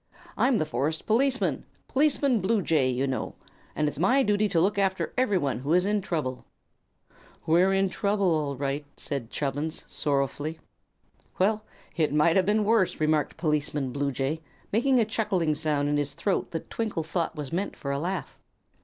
"I'm the forest policeman Policeman Bluejay, you know and it's my duty to look after everyone who is in trouble." "We're in trouble, all right," said Chubbins, sorrowfully. "Well, it might have been worse," remarked Policeman Bluejay, making a chuckling sound in his throat that Twinkle thought was meant for a laugh.